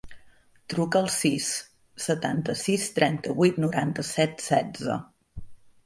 Truca al sis, setanta-sis, trenta-vuit, noranta-set, setze.